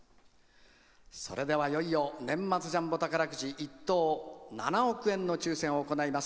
それではいよいよ年末ジャンボ宝くじ１等７億円の抽せんを行います。